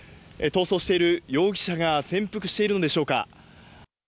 逃走している容疑者が潜伏しているのでしょうか。